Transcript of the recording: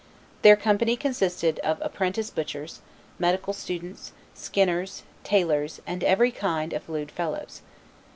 Their company consisted of 'prentice butchers, medical students, skinners, tailors, and every kind of lewd fellows.